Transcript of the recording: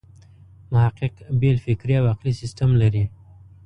محقق بېل فکري او عقلي سیسټم لري.